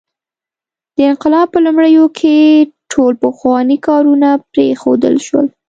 د انقلاب په لومړیو کې ټول پخواني کارونه پرېښودل شول.